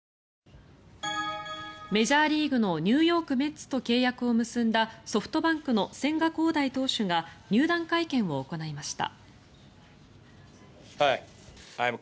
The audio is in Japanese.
メジャーリーグのニューヨーク・メッツと契約を結んだソフトバンクの千賀滉大投手が入団会見を行いました。